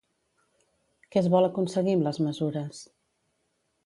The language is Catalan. Què es vol aconseguir amb les mesures?